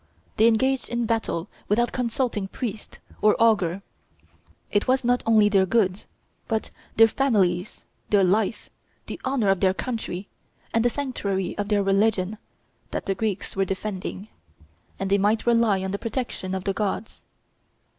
They engaged in battle without consulting priest or augur. It was not only their goods, but their families, their life, the honor of their country, and the sanctuary of their religion, that the Greeks were defending, and they might rely on the protection of the gods.